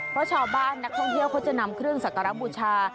เพราะชาวบ้านนักท่องเที่ยวเขาจะนำเครื่องสักการะบูชา